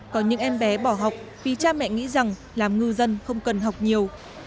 có những em bé bỏ học vì cha mẹ nghĩ rằng làm ngư dân không cần học nhiều